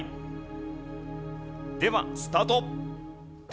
ではスタート。